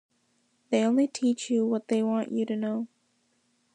They only teach you what they want you to know.